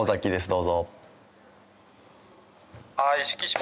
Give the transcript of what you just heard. どうぞ。